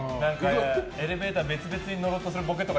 エレベーター別々に乗ろうとするボケとか。